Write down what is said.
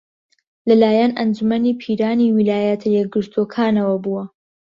لەلایەن ئەنجوومەنی پیرانی ویلایەتە یەکگرتووەکانەوە بووە